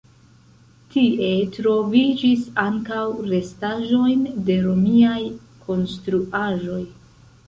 Tie troviĝis ankaŭ restaĵojn de romiaj konstruaĵoj.